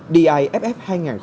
đi iff hai nghìn một mươi chín